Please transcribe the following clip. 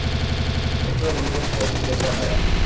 Otro grupo se estableció en Canadá.